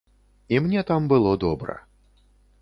І мне там было добра.